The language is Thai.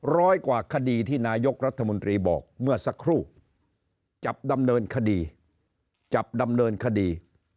ร้อยกว่าคดีที่นายกรัฐมนตรีบอกเมื่อสักครู่จับดำเนินคดี